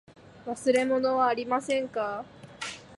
忘れ物はありませんか。